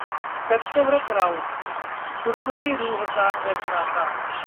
सत्यव्रत राउत: खुरदुरी रूह का रचनाकार